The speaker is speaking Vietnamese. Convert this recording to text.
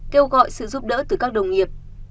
kêu gọi sự giúp đỡ từ các đồng nghiệp